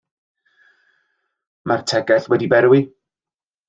Mae'r tegell wedi berwi.